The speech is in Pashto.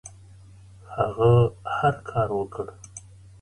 هغه هر کار وکړ.